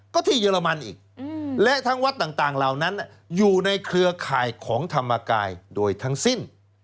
ก็ที่เยอรมันอีกและทั้งวัดต่างเหล่านั้นอยู่ในเครือข่ายของธรรมกายโดยทั้งสิ้น